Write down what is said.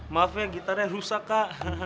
maaf ya gitarnya rusak kak